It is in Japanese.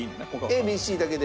ＡＢＣだけで。